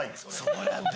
そうなんだ。